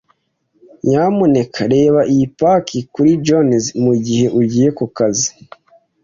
Nyamuneka reba iyi paki kuri Jones 'mugihe ugiye kukazi.